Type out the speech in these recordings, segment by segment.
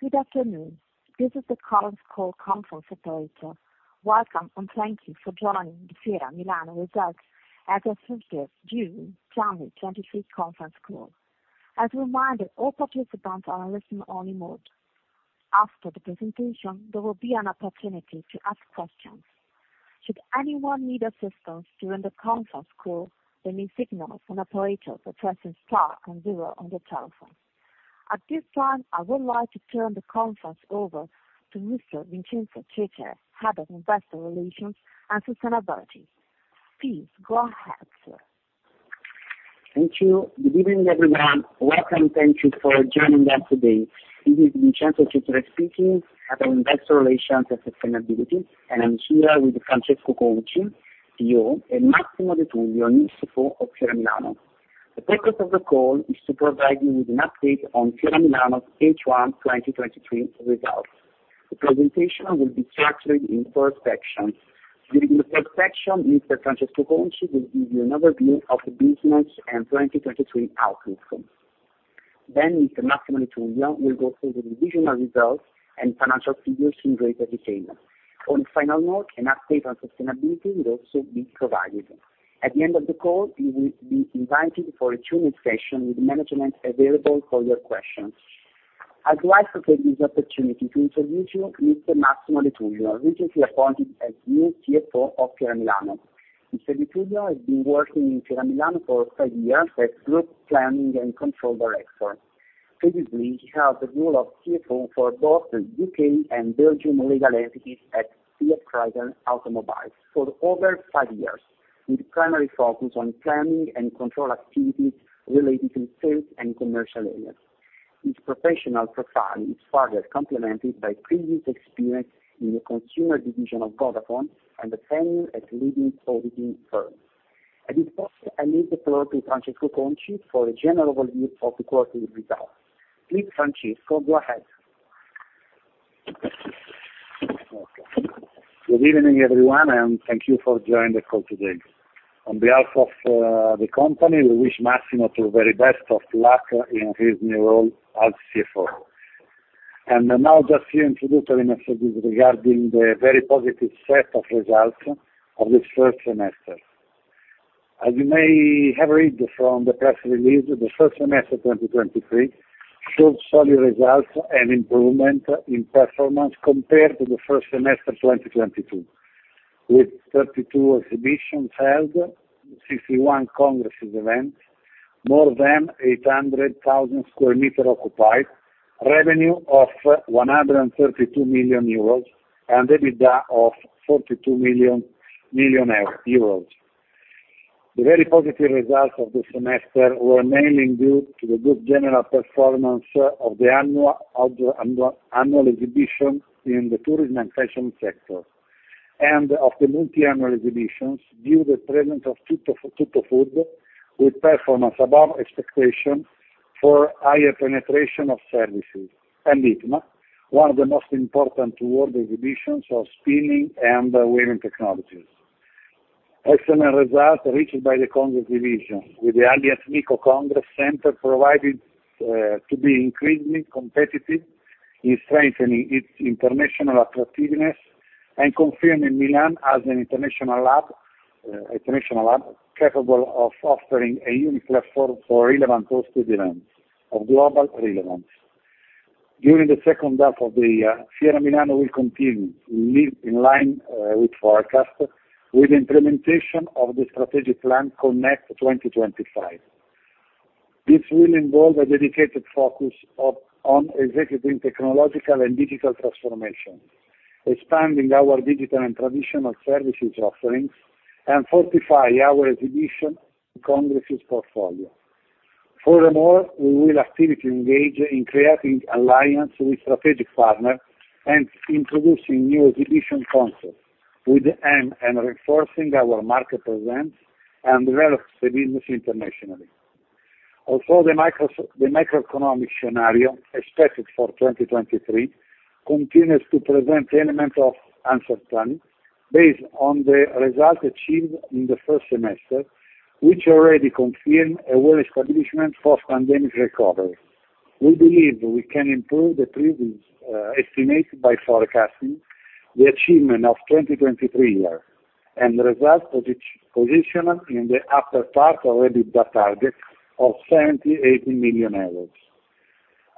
Good afternoon. This is the Collins Call Conference Operator. Welcome and thank you for joining the Fiera Milano Results at the 5th of June, January 23rd conference call. As a reminder, all participants are in listening-only mode. After the presentation, there will be an opportunity to ask questions. Should anyone need assistance during the conference call, they may signal with Operator Professor Stark and Vera on the telephone. At this time, I would like to turn the conference over to Mr. Vincenzo Tritter, Head of Investor Relations and Sustainability. Please go ahead, sir. Thank you. Good evening, everyone. Welcome, thank you for joining us today. This is Vincenzo Tritter speaking, Head of Investor Relations and Sustainability, and I'm here with Francesco Conci, CEO, and Massimo De Tullio, CFO of Fiera Milano. The purpose of the call is to provide you with an update on Fiera Milano's H1 2023 results. The presentation will be structured in four sections. During the first section, Mr. Francesco Conci will give you an overview of the business and 2023 outlook. Then, Mr. Massimo De Tullio will go through the revisional results and financial figures in greater detail. On a final note, an update on sustainability will also be provided. At the end of the call, you will be invited for a Q&A session with management available for your questions. I'd like to take this opportunity to introduce you to Mr. Massimo De Tullio, recently appointed as new CFO of Fiera Milano. Mr. De Tullio has been working in Fiera Milano for five years as Group Planning and Control Director. Previously, he held the role of CFO for both U.K. and Belgium legal entities at Fiat Chrysler Automobiles for over five years, with a primary focus on planning and control activities related to sales and commercial areas. His professional profile is further complemented by previous experience in the consumer division of Vodafone and a tenure at leading auditing firms. At this point, I'll make the floor to Francesco Conci for a general overview of the quarterly results. Please, Francesco, go ahead. Good evening, everyone, and thank you for joining the call today. On behalf of the company, we wish Massimo the very best of luck in his new role as CFO. Just to introduce a few messages regarding the very positive set of results of this first semester. As you may have read from the press release, the first semester of 2023 showed solid results and improvement in performance compared to the first semester of 2022, with 32 exhibitions held, 61 congresses events, more than 800,000 sqm occupied, revenue of 132 million euros, and EBITDA of 42 million euros. The very positive results of this semester were mainly due to the good general performance of the annual exhibition in the tourism and fashion sector and of the multi-annual exhibitions due to the presence of TuttoFood, with performance above expectation for higher penetration of services, and ITMA, one of the most important world exhibitions of spinning and weaving technologies. Excellent results reached by the congress division, with the Allianz MiCo Congress Center proved to be increasingly competitive in strengthening its international attractiveness and confirming Milan as an international hub capable of offering a unique platform for relevant hosted events of global relevance. During the second half of the year, Fiera Milano will continue, in line with forecasts, with the implementation of the strategic plan Connect 2025. This will involve a dedicated focus on executing technological and digital transformation, expanding our digital and traditional services offerings, and fortifying our exhibition congresses portfolio. Furthermore, we will actively engage in creating alliances with strategic partners and introducing new exhibition concepts, with the aim of reinforcing our market presence and developing the business internationally. Although the macroeconomic scenario expected for 2023 continues to present elements of uncertainty based on the results achieved in the first semester, which already confirm a well-established post-pandemic recovery, we believe we can improve the previous estimate by forecasting the achievement of the 2023 year and the results positioned in the upper part of the EBITDA target of 78 million euros.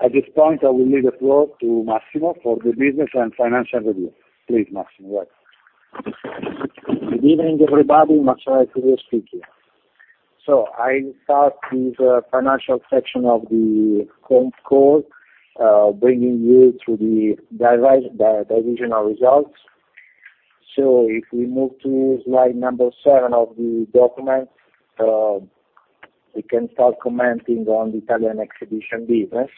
At this point, I will leave the floor to Massimo for the business and financial review. Please, Massimo, go ahead. Good evening, everybody. Massimo De Tullio speaking. I'll start with the financial section of the call, bringing you to the divisional results. If we move to slide number seven of the document, we can start commenting on the Italian exhibition business.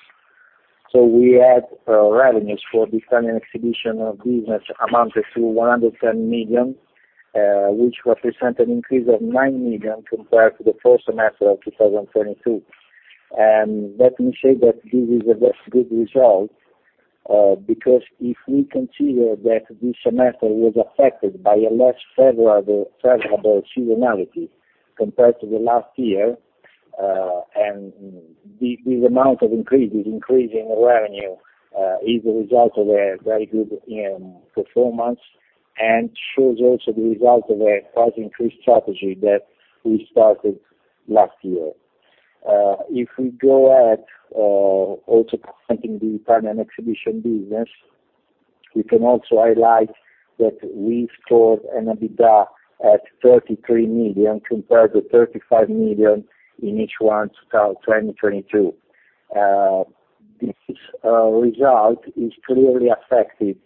We had revenues for the Italian exhibition business amounted to 110 million, which represents an increase of 9 million compared to the first semester of 2022. Let me say that this is a good result because if we consider that this semester was affected by a less favorable seasonality compared to last year, this increase in revenue is the result of a very good performance and shows also the result of a price increase strategy that we started last year. If we go ahead also commenting on the Italian exhibition business, we can also highlight that we scored an EBITDA at 33 million compared to 35 million in each one to 2022. This result is clearly affected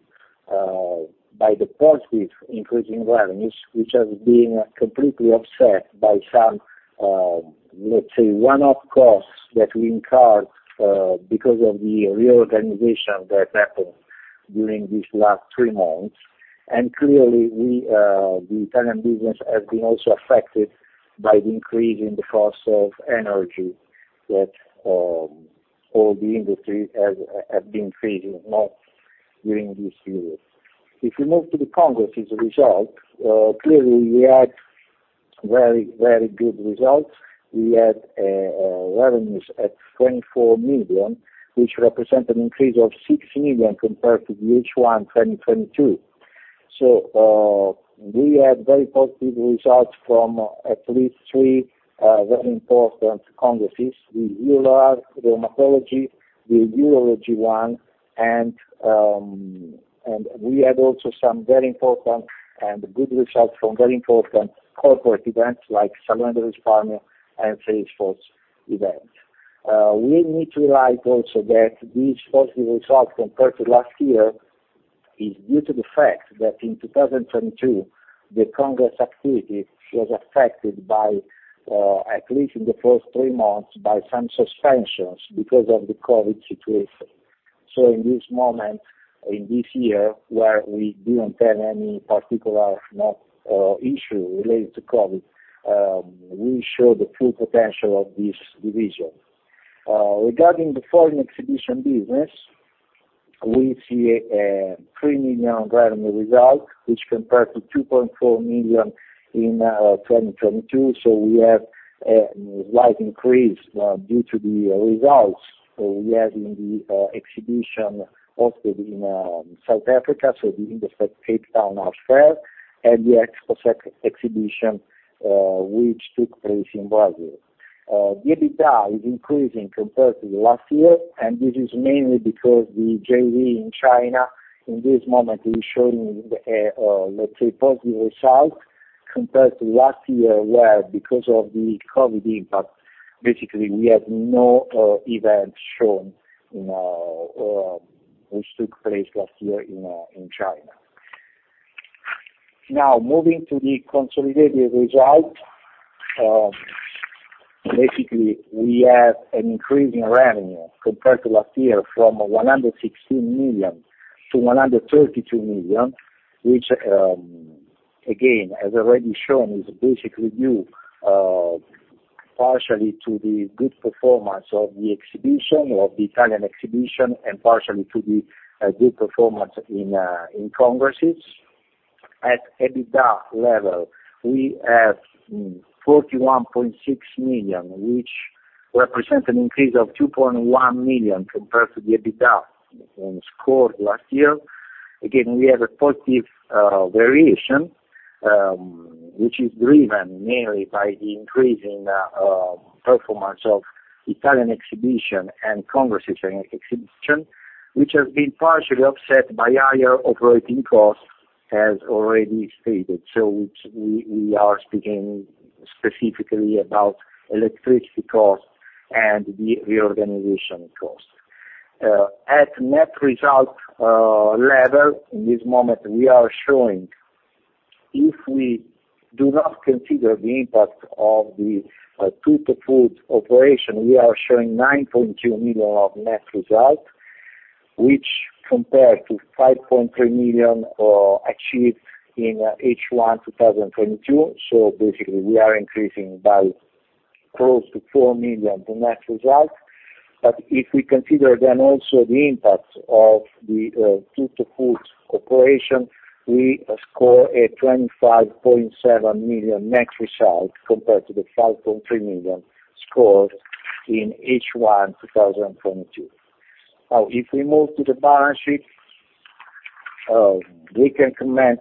by the positive increase in revenues, which has been completely offset by some, let's say, one-off costs that we incurred because of the reorganization that happened during these last three months. Clearly, the Italian business has been also affected by the increase in the cost of energy that all the industry has been facing during this period. If we move to the congresses results, clearly, we had very, very good results. We had revenues at 24 million, which represents an increase of 6 million compared to the H1 2022. We had very positive results from at least three very important congresses: the EURO-ARC, the Rheumatology, the Urology one, and we had also some very important and good results from very important corporate events like Salon de l'Espagne and Salesforce events. We need to highlight also that these positive results compared to last year are due to the fact that in 2022, the congress activity was affected by, at least in the first three months, by some suspensions because of the COVID situation. In this moment, in this year, where we did not have any particular issue related to COVID, we showed the full potential of this division. Regarding the foreign exhibition business, we see a 3 million revenue result, which compared to 2.4 million in 2022. We have a slight increase due to the results we had in the exhibition hosted in South Africa, the Industry Cape Town Outfair, and the ExpoSec exhibition, which took place in Brazil. The EBITDA is increasing compared to last year, and this is mainly because the JV in China in this moment is showing, let's say, positive results compared to last year, where because of the COVID impact, basically we had no event shown which took place last year in China. Now, moving to the consolidated results, basically we have an increase in revenue compared to last year from 116 million-132 million, which, again, as already shown, is basically due partially to the good performance of the exhibition, of the Italian exhibition, and partially to the good performance in congresses. At EBITDA level, we have 41.6 million, which represents an increase of 2.1 million compared to the EBITDA scored last year. Again, we have a positive variation, which is driven mainly by the increase in performance of Italian exhibition and congresses exhibition, which has been partially offset by higher operating costs, as already stated. We are speaking specifically about electricity costs and the reorganization costs. At net result level, in this moment, we are showing if we do not consider the impact of the TuttoFood operation, we are showing 9.2 million of net result, which compared to 5.3 million achieved in H1 2022. Basically, we are increasing by close to 4 million the net result. If we consider then also the impact of the TuttoFood operation, we score a 25.7 million net result compared to the 5.3 million scored in H1 2022. Now, if we move to the balance sheet, we can comment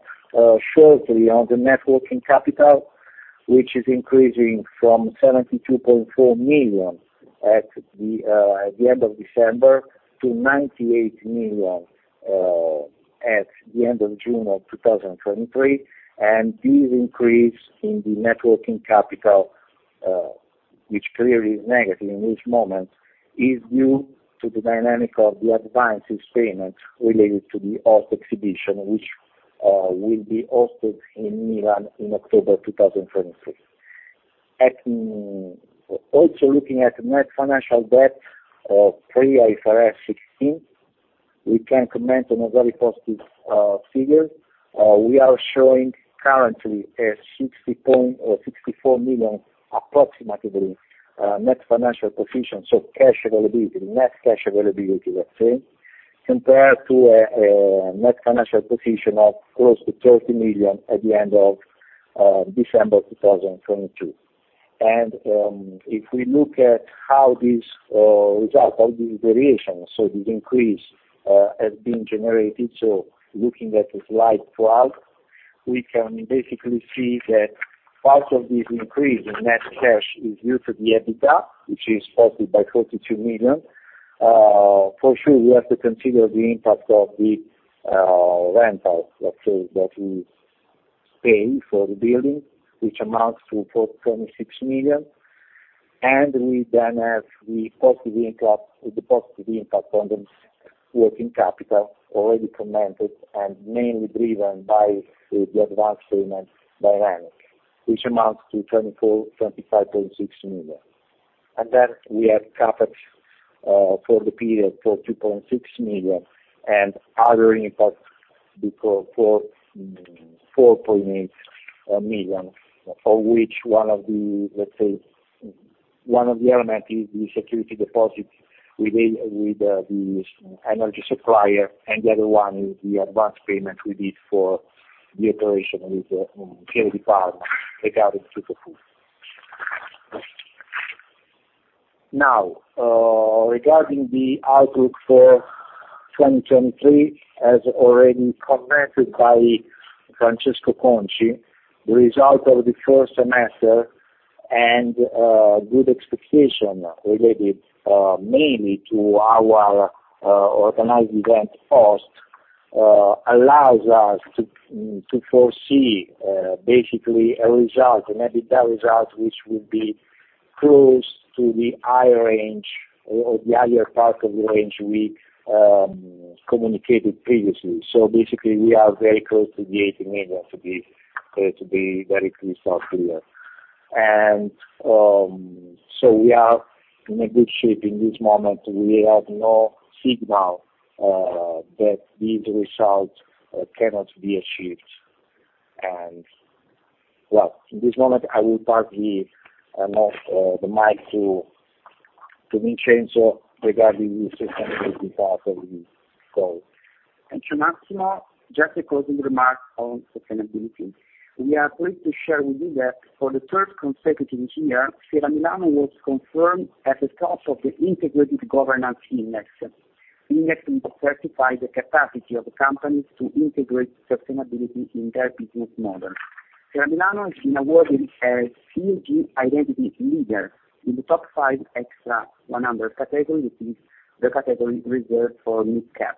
shortly on the net working capital, which is increasing from 72.4 million at the end of December to 98 million at the end of June 2023. This increase in the net working capital, which clearly is negative in this moment, is due to the dynamic of the advances payments related to the host exhibition, which will be hosted in Milan in October 2023. Also looking at net financial debt of prior IFRS 16, we can comment on a very positive figure. We are showing currently a 64 million approximately net financial position, so cash availability, net cash availability, let's say, compared to a net financial position of close to 30 million at the end of December 2022. If we look at how these results, how these variations, so this increase has been generated, looking at slide 12, we can basically see that part of this increase in net cash is due to the EBITDA, which is 42 million. For sure, we have to consider the impact of the rental, let's say, that we pay for the building, which amounts to 26 million. We then have the positive impact on the working capital, already commented and mainly driven by the advance payment dynamic, which amounts to 25.6 million. We have capex for the period for 2.6 million and other impacts for 4.8 million, of which one of the, let's say, one of the elements is the security deposit with the energy supplier, and the other one is the advance payment we did for the operation with the partner regarding TuttoFood. Now, regarding the outlook for 2023, as already commented by Francesco Conci, the result of the first semester and good expectation related mainly to our organized event cost allows us to foresee basically a result, an EBITDA result, which will be close to the higher range or the higher part of the range we communicated previously. Basically, we are very close to the 80 million, to be very clear. We are in a good shape in this moment. We have no signal that these results cannot be achieved. In this moment, I will pass the mic to Vincenzo regarding the sustainability part of the call. Thank you, Massimo. Just a closing remark on sustainability. We are pleased to share with you that for the third consecutive year, Fiera Milano was confirmed as a top of the integrated governance index. The index will certify the capacity of companies to integrate sustainability in their business model. Fiera Milano has been awarded a COG identity leader in the top five extra 100 category, which is the category reserved for mid-cap.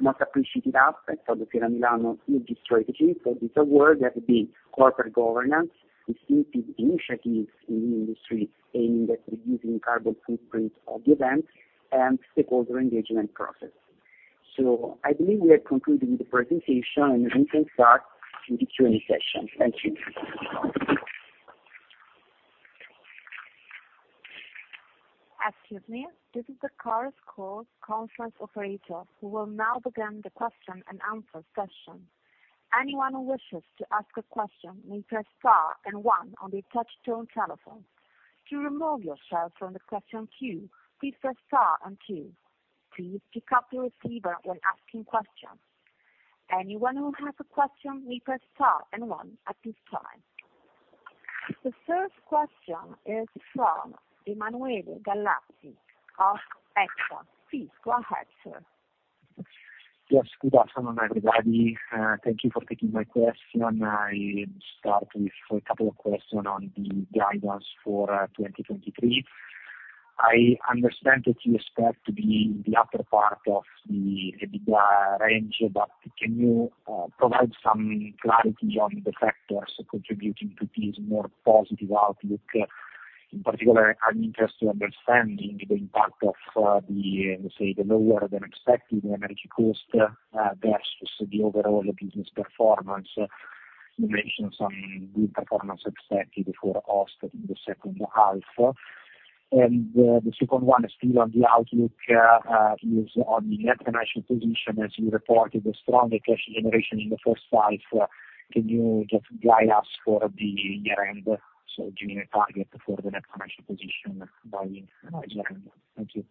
Most appreciated aspect of the Fiera Milano COG strategy for this award has been corporate governance, distinctive initiatives in the industry aiming at reducing carbon footprint of the event, and stakeholder engagement process. I believe we have concluded with the presentation, and we can start with the Q&A session. Thank you. Excuse me. This is the Carus Call conference operator, who will now begin the question-and-answer session. Anyone who wishes to ask a question may press star and one on the touch-tone telephone. To remove yourself from the question queue, please press star and two. Please pick up the receiver when asking questions. Anyone who has a question may press star and one at this time. The first question is from Emanuele Galazzi of Equita. Please go ahead, sir. Yes, good afternoon, everybody. Thank you for taking my question. I'll start with a couple of questions on the guidance for 2023. I understand that you expect to be in the upper part of the EBITDA range, but can you provide some clarity on the factors contributing to this more positive outlook? In particular, I'm interested in understanding the impact of the, let's say, the lower than expected energy cost versus the overall business performance. You mentioned some good performance expected for hosts in the second half. The second one is still on the outlook. Is on the net financial position, as you reported, the stronger cash generation in the first half? Can you just guide us for the year-end, so give me a target for the net financial position by year-end? Thank you.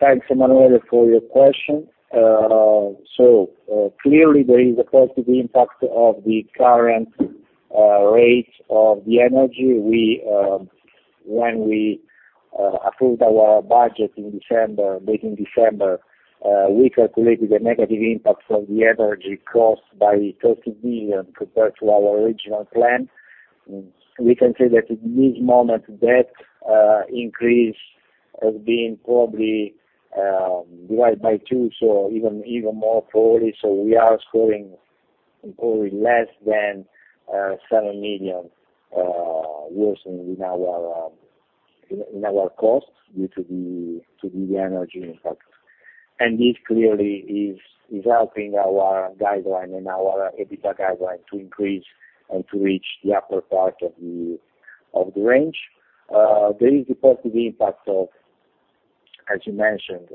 Thank you, Emanuele, for your question. Clearly, there is a positive impact of the current rate of the energy. When we approved our budget in December, back in December, we calculated the negative impact of the energy cost by 30 million compared to our original plan. We can say that in this moment, that increase has been probably divided by two, so even more probably. We are scoring probably less than 7 million worsening in our costs due to the energy impact. This clearly is helping our guideline and our EBITDA guideline to increase and to reach the upper part of the range. There is the positive impact of, as you mentioned,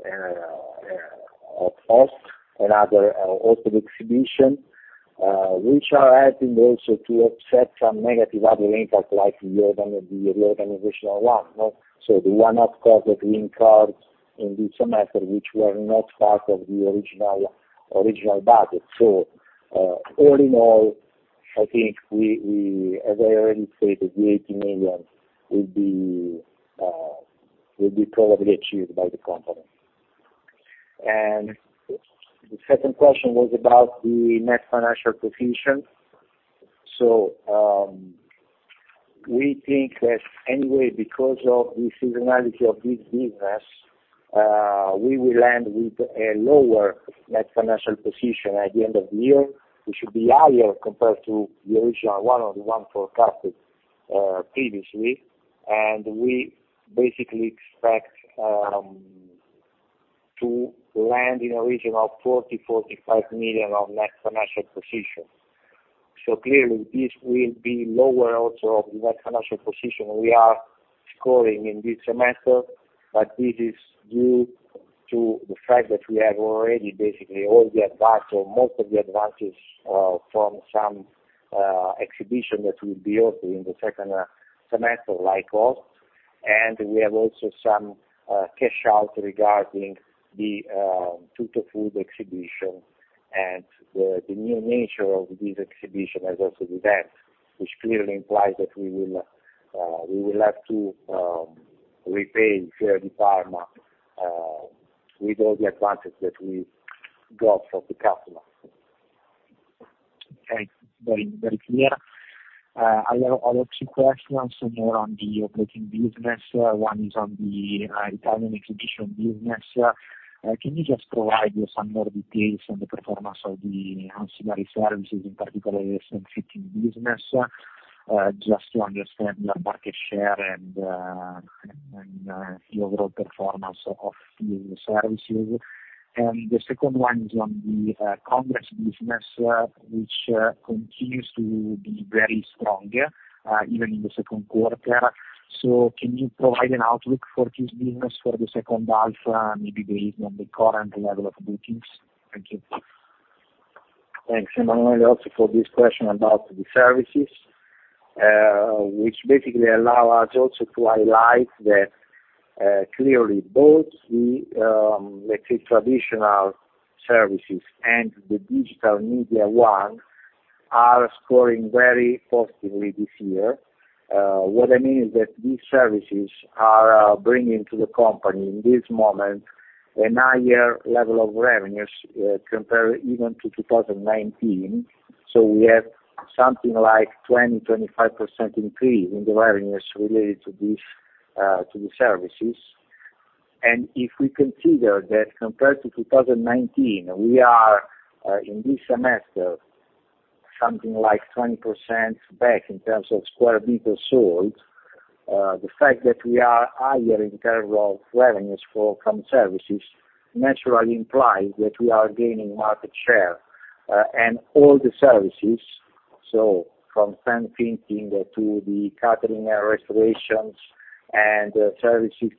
of hosts and other hosted exhibition, which are helping also to offset some negative other impacts like the reorganizational one. The one-off cost that we incurred in this semester, which were not part of the original budget. All in all, I think, as I already stated, the 80 million will be probably achieved by the company. The second question was about the net financial position. We think that anyway, because of the seasonality of this business, we will end with a lower net financial position at the end of the year, which should be higher compared to the original one or the one forecasted previously. We basically expect to land in a region of 40-45 million of net financial position. Clearly, this will be lower also of the net financial position we are scoring in this semester, but this is due to the fact that we have already basically all the advance or most of the advances from some exhibition that will be hosted in the second semester, like Host. We have also some cash out regarding the TuttoFood exhibition and the new nature of this exhibition as well as the event, which clearly implies that we will have to repay Fiera di Parma with all the advances that we got from the customers. Thanks. Very, very clear. I have other two questions more on the operating business. One is on the Italian exhibition business. Can you just provide some more details on the performance of the ancillary services, in particular the sun seating business, just to understand your market share and the overall performance of these services? The second one is on the congress business, which continues to be very strong even in the second quarter. Can you provide an outlook for this business for the second half, maybe based on the current level of bookings? Thank you. Thanks, Emanuele, also for this question about the services, which basically allow us also to highlight that clearly both the, let's say, traditional services and the digital media one are scoring very positively this year. What I mean is that these services are bringing to the company in this moment a higher level of revenues compared even to 2019. We have something like a 20-25% increase in the revenues related to these services. If we consider that compared to 2019, we are in this semester something like 20% back in terms of square meter sold, the fact that we are higher in terms of revenues from services naturally implies that we are gaining market share. All the services, from sun seating to the catering and restorations and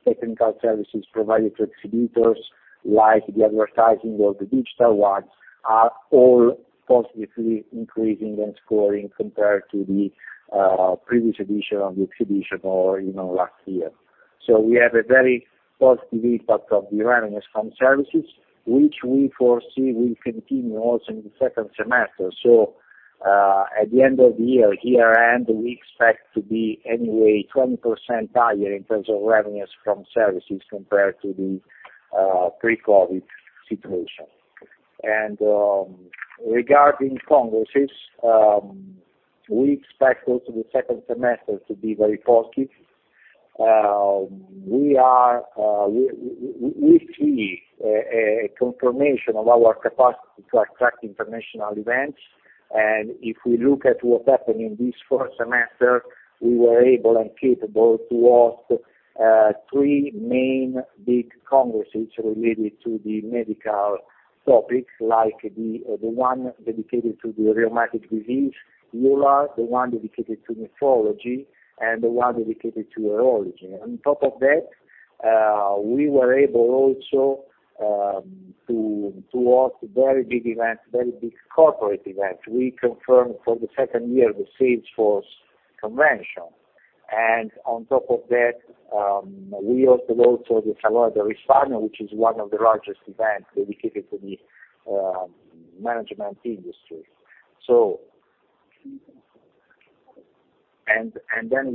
technical services provided to exhibitors like the advertising or the digital ones, are all positively increasing and scoring compared to the previous edition of the exhibition or even last year. We have a very positive impact of the revenues from services, which we foresee will continue also in the second semester. At the end of the year, year-end, we expect to be anyway 20% higher in terms of revenues from services compared to the pre-COVID situation. Regarding congresses, we expect also the second semester to be very positive. We see a confirmation of our capacity to attract international events. If we look at what happened in this first semester, we were able and capable to host three main big congresses related to the medical topics, like the one dedicated to the rheumatic disease, EULAR, the one dedicated to nephrology, and the one dedicated to urology. On top of that, we were able also to host very big events, very big corporate events. We confirmed for the second year the Salesforce Convention. On top of that, we hosted also the Salvadoris Panel, which is one of the largest events dedicated to the management industry.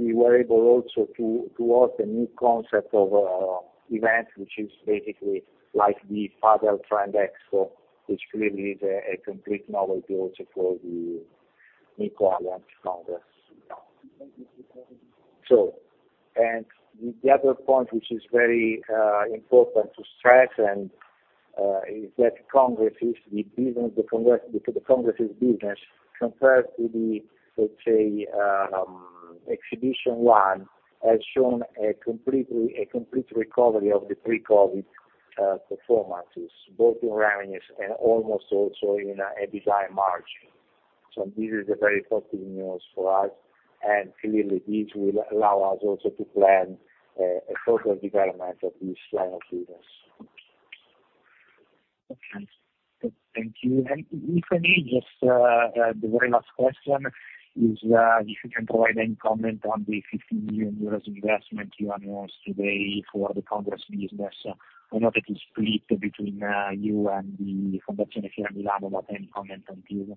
We were able also to host a new concept of events, which is basically like the Padel Trend Expo, which clearly is a complete novelty also for the mid-quarter congress. The other point, which is very important to stress, is that congresses, the congresses business, compared to the, let's say, exhibition one, has shown a complete recovery of the pre-COVID performances, both in revenues and almost also in EBITDA margin. This is very positive news for us. Clearly, this will allow us also to plan a further development of this line of business. Okay. Thank you. If I may, just the very last question is if you can provide any comment on the 15 million euros investment you announced today for the congress business. I know that it's split between you and the Fondazione Fiera Milano, but any comment on this?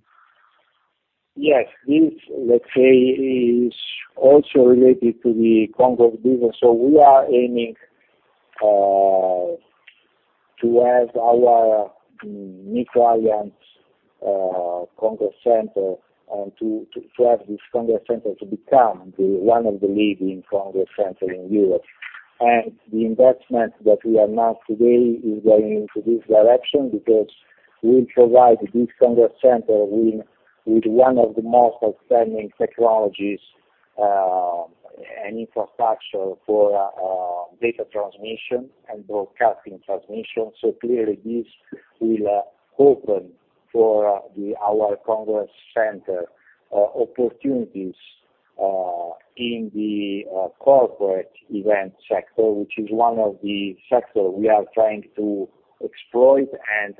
Yes. This, let's say, is also related to the congress business. We are aiming to have our mid-quarter congress center and to have this congress center become one of the leading congress centers in Europe. The investment that we announced today is going in this direction because it will provide this congress center with one of the most outstanding technologies and infrastructure for data transmission and broadcasting transmission. Clearly, this will open for our congress center opportunities in the corporate event sector, which is one of the sectors we are trying to exploit and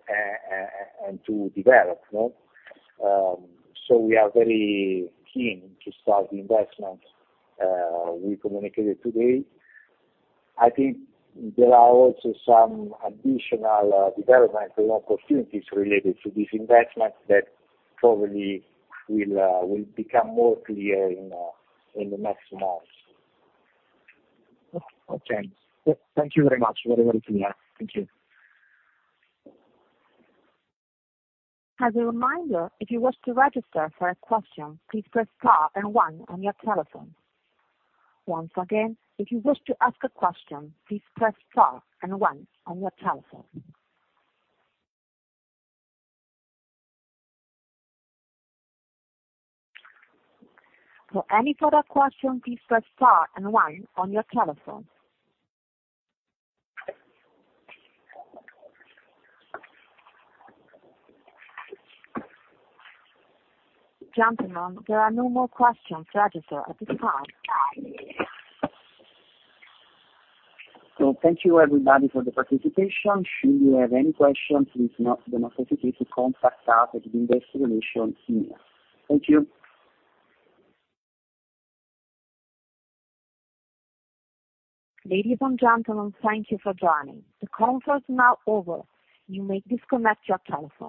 to develop. We are very keen to start the investment we communicated today. I think there are also some additional development and opportunities related to this investment that probably will become more clear in the next months. Okay. Thank you very much, Emanuele Galazzi. Thank you. As a reminder, if you wish to register for a question, please press star and one on your telephone. Once again, if you wish to ask a question, please press star and one on your telephone. For any further question, please press star and one on your telephone. Gentlemen, there are no more questions registered at this time. Thank you, everybody, for the participation. Should you have any questions, please do not hesitate to contact us at the investigation email. Thank you. Ladies and gentlemen, thank you for joining. The conference is now over. You may disconnect your telephone.